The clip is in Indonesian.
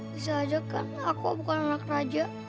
bisa aja karena aku bukan anak raja